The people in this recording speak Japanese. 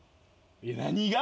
何が？